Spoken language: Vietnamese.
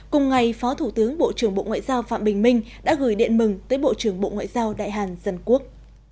cùng ngày phó thủ tướng bộ trưởng bộ ngoại giao phạm bình minh đã gửi điện mừng tới bộ trưởng bộ ngoại giao đại hàn dân quốc